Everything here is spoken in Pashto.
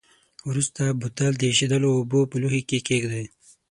وروسته بوتل د ایشېدلو اوبو په لوښي کې کیږدئ.